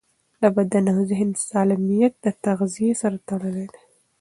د بدن او ذهن سالمیت د تغذیې سره تړلی دی.